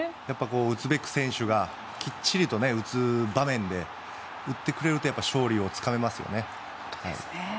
打つべき選手がきっちり打つ場面で打ってくれると勝利をつかめますよね。